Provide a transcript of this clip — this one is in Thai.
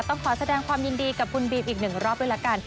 ต้องขอแสดงความยินดีกับคุณบีมอีกหนึ่งรอบด้วยละกัน